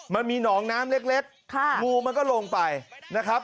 มันมีหนองน้ำเล็กงูมันก็ลงไปนะครับ